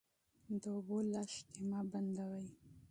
د اوبو لښتې مه بندوئ.